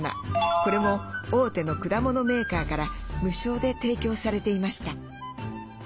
これも大手の果物メーカーから無償で提供されていました。